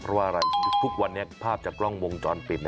เพราะว่าอะไรทุกวันนี้ภาพจากกล้องวงจรปิด